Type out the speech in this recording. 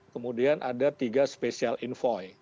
kemudian ada tiga special envoy